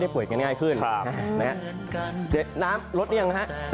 บ๊าย